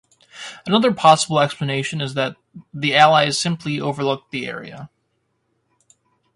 Another possible explanation is that the Allies simply overlooked the area.